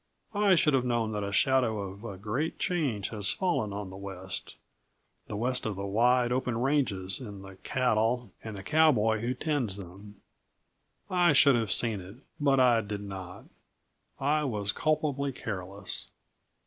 I should have known that the shadow of a great change has fallen on the West the West of the wide, open ranges and the cattle and the cowboy who tends them. I should have seen it, but I did not. I was culpably careless.